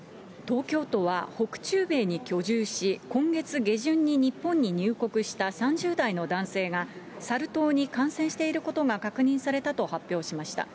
東京都は、北中米に居住し、今月下旬に日本に入国した３０代の男性が、サル痘に感染していることが確認されたと発表しました。